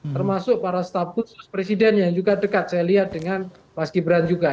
termasuk para staf khusus presiden yang juga dekat saya lihat dengan mas gibran juga